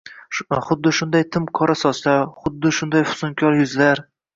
Xuddi shunday tim qora sochlar, xuddi shunday fusunkor yuzlar